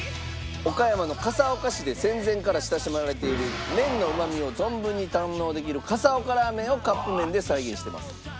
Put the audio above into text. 岡山の笠岡市で戦前から親しまれている麺のうまみを存分に堪能できる笠岡ラーメンをカップ麺で再現してます。